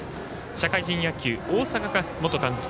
社会人野球、大阪ガス元監督